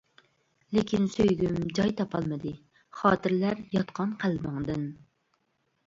لېكىن سۆيگۈم جاي تاپالمىدى، خاتىرىلەر ياتقان قەلبىڭدىن.